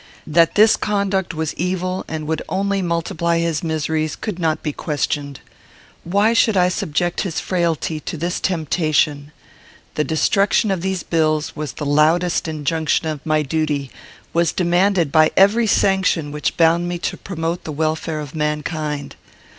That this conduct was evil, and would only multiply his miseries, could not be questioned. Why should I subject his frailty to this temptation? The destruction of these bills was the loudest injunction of my duty; was demanded by every sanction which bound me to promote the welfare of mankind.